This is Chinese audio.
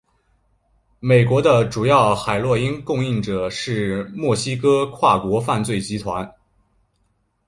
美国的主要海洛因供应者是墨西哥跨国犯罪集团。